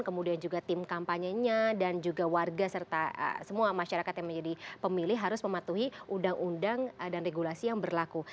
kemudian juga tim kampanye nya dan juga warga serta semua masyarakat yang menjadi pemilih harus mematuhi undang undang dan regulasi yang berlaku